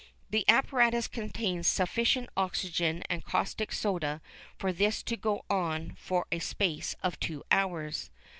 The apparatus contains sufficient oxygen and caustic soda for this to go on for a space of two hours.